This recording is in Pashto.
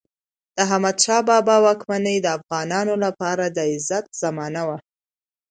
د احمدشاه بابا واکمني د افغانانو لپاره د عزت زمانه وه.